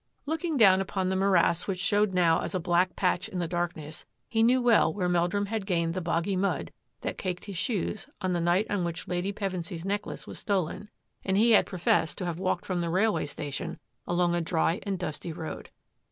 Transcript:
Looking down upon the morass which showed now as a black patch in the darkness, he knew well where Meldrum had gained the boggy mud that caked his shoes on the night on which Lady Pevensy's necklace was stolen and he had pro fessed to have walked from the railway station along a dry and dusty road.